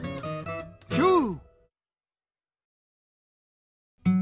キュー！